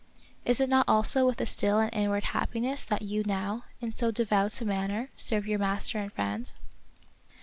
Is it not also with a still and inward happiness that you now, in so devout a manner, serve your master and friend